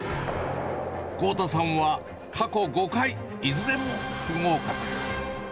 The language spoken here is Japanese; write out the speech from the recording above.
こうたさんは過去５回、いずれも不合格。